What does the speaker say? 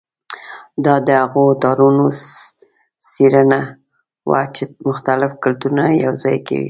دا د هغو تارونو سپړنه وه چې مختلف کلتورونه یوځای کوي.